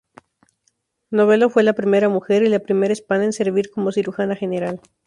Novello fue la primera mujer y la primera hispana en servir como Cirujana General.